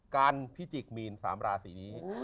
การพิจิกมีน๓ราศีนี้